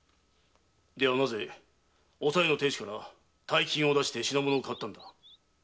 ではなぜおさよの亭主から大金を出して品物を買ったのだ？